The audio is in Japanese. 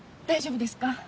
大丈夫ですか？